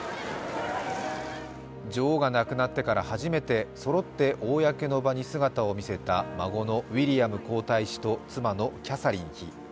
女王が亡くなってから初めてそろって公の場に姿を見せた孫のウィリアム皇太子と妻のキャサリン妃。